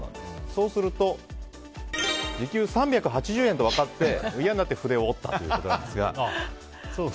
そうすると時給３８０円と分かって嫌になって筆を折ったということなんですが。